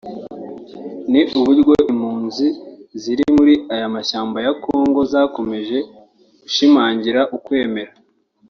ni uburyo impunzi ziri muri aya mashyamba ya Kongo zakomeje gushimangira ukwemera